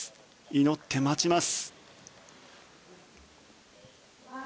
祈って待ちます。